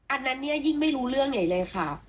อันนั้นเนี่ยยิ่งไม่รู้เรื่องใหญ่เลยค่ะ